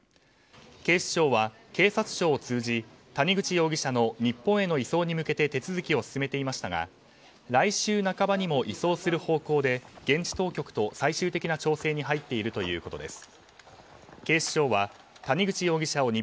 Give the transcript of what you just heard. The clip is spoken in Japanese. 警視庁は警察庁を通じ谷口容疑者の日本への移送に向けて手続きを進めていましたが来週半ばにも移送する方向で現地当局と最終的な調整に入っているということです。